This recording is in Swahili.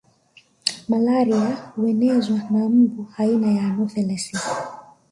Malaria huenezwa na mbu aina ya Anofelesi